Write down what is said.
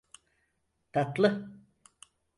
Tatlı…